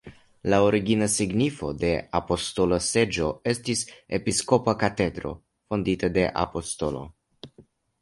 La origina signifo de "apostola seĝo" estis: episkopa katedro fondita de apostolo.